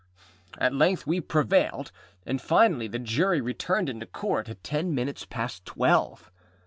At length we prevailed, and finally the Jury returned into Court at ten minutes past twelve.